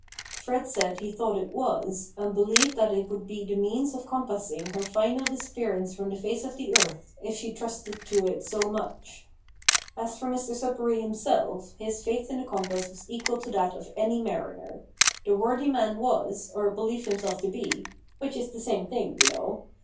Fred said he thought it was, and believed that it would be the means of compassing her final disappearance from the face of the earth if she trusted to it so much. As for Mr Sudberry himself; his faith in the compass was equal to that of any mariner. The worthy man was, or believed himself to be, (which is the same thing, you know!)